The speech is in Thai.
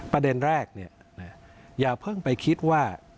ประเด็นแรกอย่าเพิ่งไปคิดว่า